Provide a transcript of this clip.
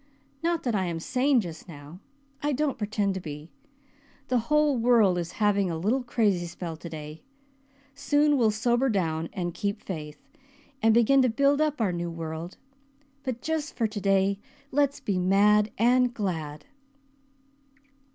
Not that I am sane just now I don't pretend to be. The whole world is having a little crazy spell today. Soon we'll sober down and 'keep faith' and begin to build up our new world. But just for today let's be mad and glad."